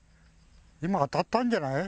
今当たったんじゃない？